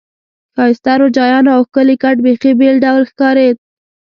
ښایسته روجایانو او ښکلي کټ بیخي بېل ډول ښکارېد.